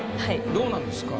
どうなんですか？